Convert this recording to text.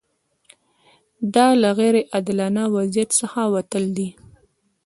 دا له غیر عادلانه وضعیت څخه وتل دي.